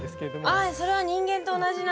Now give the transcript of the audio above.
あそれは人間と同じなんだ。